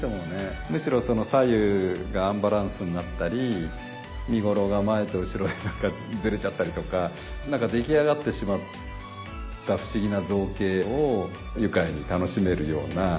むしろ左右がアンバランスになったり身頃が前と後ろで何かずれちゃったりとか出来上がってしまった不思議な造形を愉快に楽しめるような。